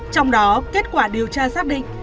trong đó kết quả điều tra xác định